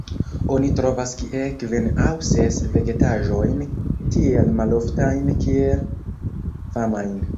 Oni trovas tie kvin aŭ ses vegetaĵojn tiel maloftajn kiel famajn.